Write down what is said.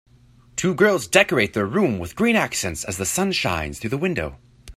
Two girls decorate their room with green accents as the sun shines through the window.